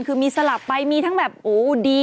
คือมีสลับไปมีทั้งแบบโอ้ดี